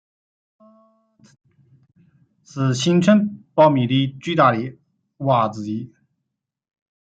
是现存北美的最大的蛙之一。